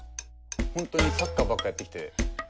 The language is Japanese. ホントにサッカーばっかやってて。